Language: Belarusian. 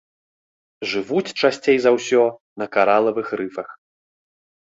Жывуць часцей за ўсё на каралавых рыфах.